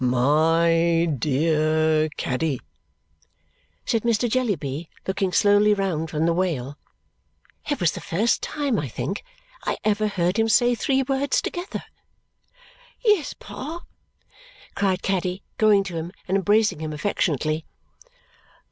"My dear Caddy!" said Mr. Jellyby, looking slowly round from the wail. It was the first time, I think, I ever heard him say three words together. "Yes, Pa!" cried Caddy, going to him and embracing him affectionately.